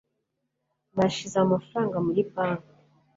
nashyize amafaranga muri banki